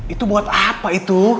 itu buat apa itu